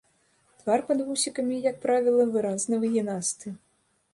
Твар пад вусікамі, як правіла, выразна выгінасты.